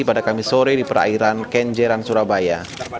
pada kamis sore di perairan kenjeran surabaya